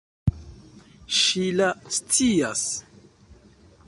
Ŝila scias.